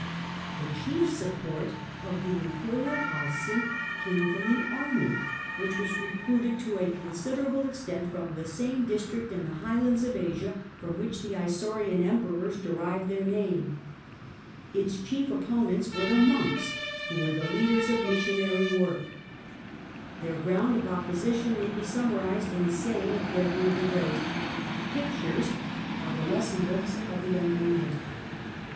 The chief support of the Imperial policy came from the army, which was recruited to a considerable extent from the same district in the highlands of Asia from which the Isaurian emperors derived their name. Its chief opponents were the monks, who were the leaders of missionary work. Their ground of opposition may be summarised in a saying of Gregory the Great, " Pic tures are the lesson books of the unlearned